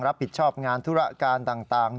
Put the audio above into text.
รับผิดชอบงานธุรการต่าง